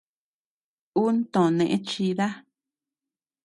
Un too nëe chida.